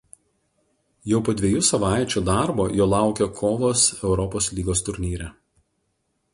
Jau po dviejų savaičių darbo jo laukė kovos Europos lygos turnyre.